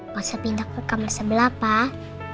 masa pindah ke kamar sebelah pak